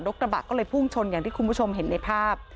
กระบะก็เลยพุ่งชนอย่างที่คุณผู้ชมเห็นในภาพ